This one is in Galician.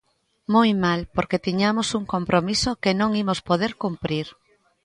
Moi mal, porque tiñamos un compromiso que non imos poder cumprir.